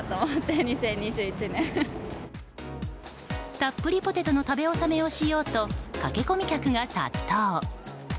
たっぷりポテトの食べ納めをしようと駆け込み客が殺到。